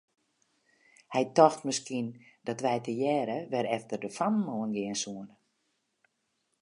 Hy tocht miskien dat wy tegearre wer efter de fammen oan gean soene.